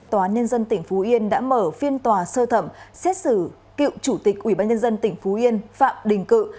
tòa nhân dân tỉnh phú yên đã mở phiên tòa sơ thẩm xét xử cựu chủ tịch ủy ban nhân dân tỉnh phú yên phạm đình cự